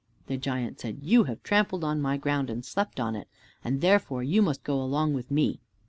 The giant said, "You have trampled on my ground, and slept on it, and therefore you must go along with me."